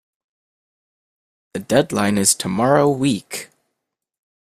The deadline is tomorrow week